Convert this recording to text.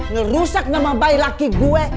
ngerusak nama bayi laki gue